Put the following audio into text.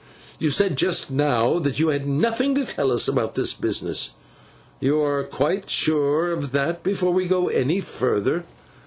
You said just now, that you had nothing to tell us about this business. You are quite sure of that before we go any further.